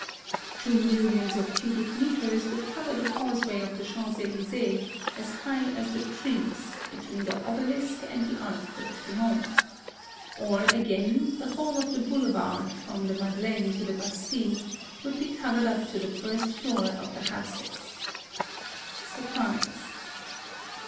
Two millions of cubic metres would cover the causeway of the Champs Elys^es as high as the trees, between the obelisk and the Arc de Triomphe ; or again, the whole of the Boulevard, from the Madeleine to the Bastile, would be covered up to the first floor of the houses. (Surprise.)